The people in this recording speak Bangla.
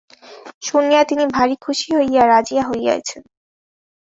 শুনিয়া তিনি ভারি খুশি হইয়া রাজি হইয়াছেন।